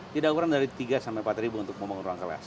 tidak kurang dari tiga sampai empat untuk membangun ruang kelas